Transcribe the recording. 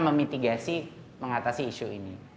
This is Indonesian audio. memitigasi mengatasi isu ini